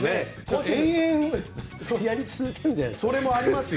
延々とやり続けるんじゃないんですか。